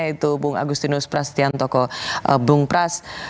yaitu bung agustinus prasetyantoko bung pras